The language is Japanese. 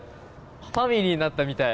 ファミリーになったみたい。